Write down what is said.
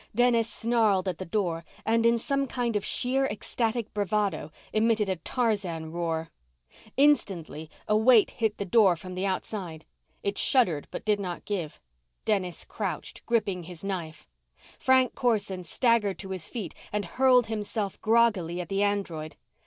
Dennis snarled at the door and, in some kind of sheer ecstatic bravado, emitted a Tarzan roar. Instantly a weight hit the door from the outside. It shuddered but did not give. Dennis crouched, gripping his knife. Frank Corson staggered to his feet and hurled himself groggily at the android.